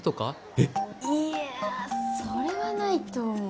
えっいやそれはないと思う